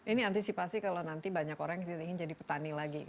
ini antisipasi kalau nanti banyak orang yang ingin jadi petani lagi